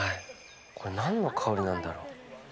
何の香りなんだろう。